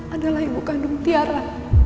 adalah ibu kandung tiara